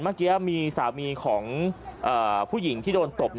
เมื่อกี้มีสามีของผู้หญิงที่โดนตบ